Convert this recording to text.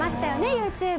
ＹｏｕＴｕｂｅ。